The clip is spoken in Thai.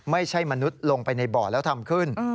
ไม่ใช่มนุษย์ลงไปในบ่อแล้วทำขึ้น